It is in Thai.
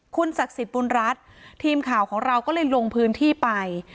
คุณศักดิ์สิทธิ์บุญรัฐทีมข่าวของเราก็เลยลงพื้นที่ไป